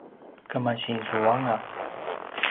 kemasi zuanga